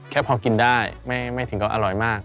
แค่พอกินได้ไม่ถึงก็อร่อยมาก